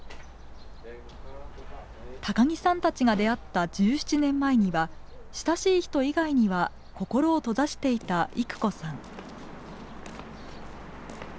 高木さんたちが出会った１７年前には親しい人以外には心を閉ざしていた育子さん。